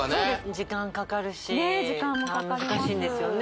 時間かかるし時間もかかります難しいんですよね